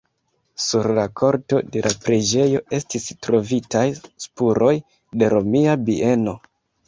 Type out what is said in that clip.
Sur la korto de la preĝejo estis trovitaj spuroj de romia bieno.